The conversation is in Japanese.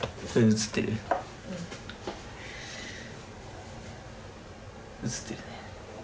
映ってるね。